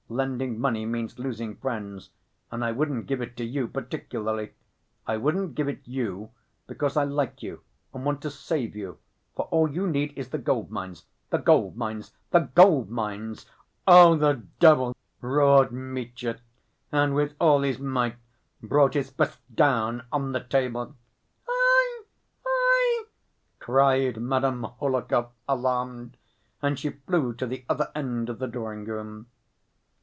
Lending money means losing friends. And I wouldn't give it to you particularly. I wouldn't give it you, because I like you and want to save you, for all you need is the gold‐mines, the gold‐mines, the gold‐mines!" "Oh, the devil!" roared Mitya, and with all his might brought his fist down on the table. "Aie! Aie!" cried Madame Hohlakov, alarmed, and she flew to the other end of the drawing‐room.